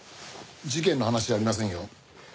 事件の話じゃありませんよ。